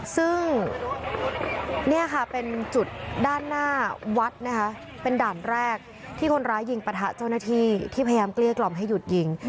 ซึ่งเนี่ยค่ะเป็นจุดด้านหน้าวัดนะคะเป็นด่านแรกที่คนร้ายยิงปะทะเจ้าหน้าที่ที่พยายามเกลี้ยกล่อมให้หยุดยิง